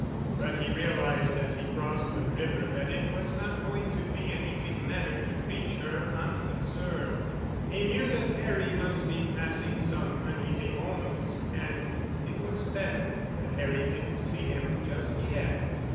But he realized as he crossed the river that it was not going to be an easy matter to reach her unobserved. He knew that Harry must be passing some uneasy moments and it was better that Harry didn't see him just yet.